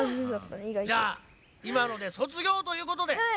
じゃあいまので卒業ということで。